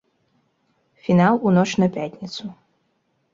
Фінал у ноч на пятніцу.